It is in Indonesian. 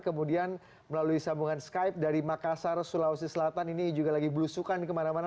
kemudian melalui sambungan skype dari makassar sulawesi selatan ini juga lagi belusukan kemana mana